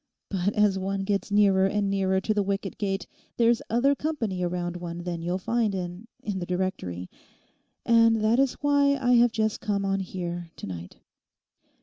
But as one gets nearer and nearer to the wicket gate there's other company around one than you'll find in—in the directory. And that is why I have just come on here tonight.